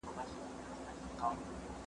چي یې سرونه د بګړۍ وړ وه